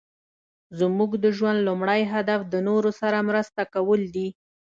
زموږ د ژوند لومړی هدف د نورو سره مرسته کول دي.